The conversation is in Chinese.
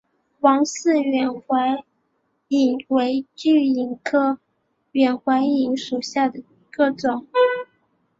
王氏远环蚓为巨蚓科远环蚓属下的一个种。